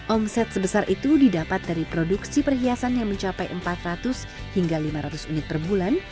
omset sebesar itu didapat dari produksi perhiasan yang mencapai empat ratus hingga lima ratus unit per bulan